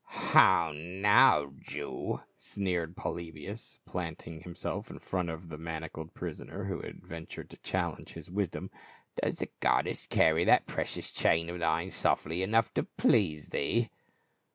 "How now, Jew," sneered Polybius, planting him self in front of the manacled prisoner who had ven tured to challenge his wisdom, "does the goddess carry that precious chain of thine softly enough to please thee?"